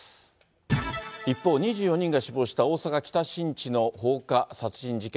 一方、２４人が死亡した大阪・北新地の放火殺人事件。